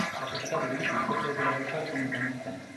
La proprietà dell'edificio è della locale comunità montana.